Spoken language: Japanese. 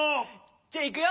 じゃあいくよ。